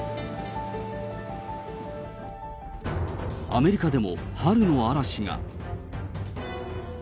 アメリカでも春の嵐が。